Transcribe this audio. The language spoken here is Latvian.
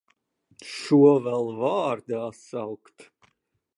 Šo vēl vārdā saukt!